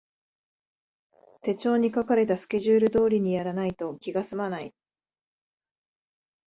手帳に書かれたスケジュール通りにやらないと気がすまない